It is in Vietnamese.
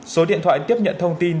số điện thoại tiếp nhận thông tin